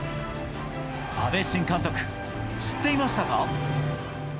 阿部新監督、知っていましたか？